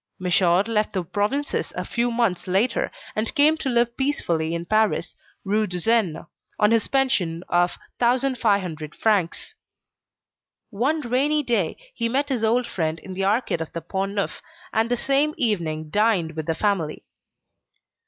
Michaud left the provinces a few months later, and came to live peacefully in Paris, Rue de Seine, on his pension of 1,500 francs. One rainy day, he met his old friend in the Arcade of the Pont Neuf, and the same evening dined with the family.